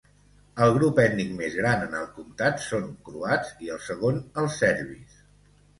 El grup ètnic més gran en el comtat són croats, i el segon els serbis.